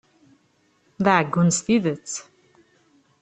D aɛeggun s tidet!